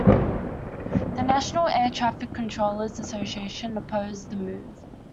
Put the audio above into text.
The National Air Traffic Controllers Association opposed the move.